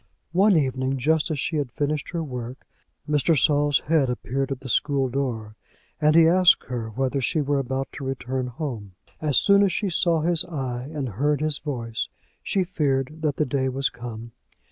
One evening, just as she had finished her work, Mr. Saul's head appeared at the school door, and he asked her whether she were about to return home. As soon as she saw his eye and heard his voice, she feared that the day was come.